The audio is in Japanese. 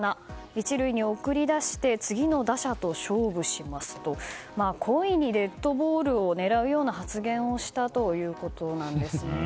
１塁に送り出して次の打者と勝負しますと故意にデッドボールを狙うような発言をしたということです。